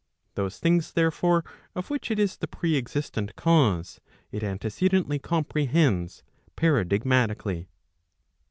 Those things, therefore, of which it is the pre existent cause, it antece¬ dently comprehends paradigmatically.